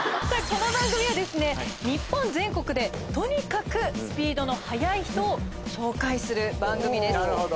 この番組はですね日本全国でとにかくスピードのはやい人を紹介する番組です。